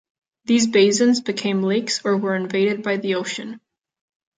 These basins became lakes or were invaded by the ocean.